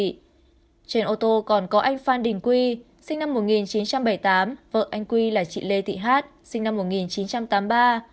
trên ô tô còn có anh phan đình quy sinh năm một nghìn chín trăm bảy mươi tám vợ anh quy là chị lê thị hát sinh năm một nghìn chín trăm tám mươi ba